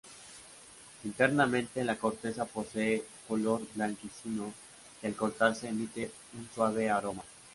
Internamente la corteza posee color blanquecino, y al cortarse emite un suave aroma.